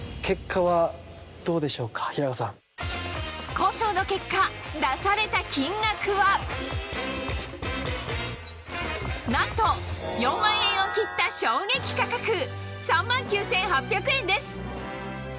交渉の結果出された金額はなんと４万円を切った衝撃価格３万９８００円